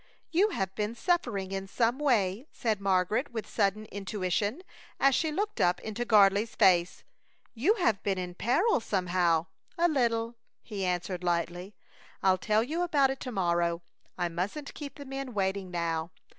"You have been suffering in some way," said Margaret, with sudden intuition, as she looked up into Gardley's face. "You have been in peril, somehow " "A little," he answered, lightly. "I'll tell you about it to morrow. I mustn't keep the men waiting now.